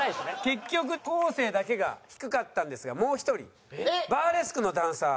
結局昴生だけが低かったんですがもう１人バーレスクのダンサー。